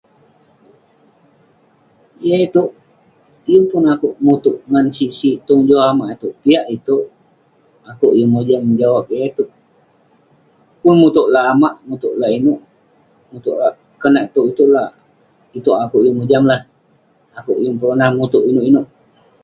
Yah itouk, yeng pun akouk mutouk ngan sik sik tong joh amak itouk. Piak itouk, akouk yeng mojam jawab yah itouk. Pun mutouk lak amak, mutouk lak inouk. Konak tog itouk lah. itouk akouk yeng mojam lah. akouk yeng peronah mutouk inouk inouk.